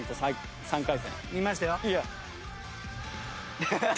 見ましたよ。